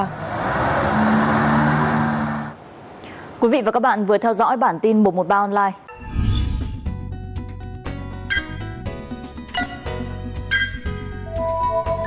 các đơn vị trong toàn lực lượng đã tích cực chủ động kịp thời hiệu quả phòng là chính quyền địa phương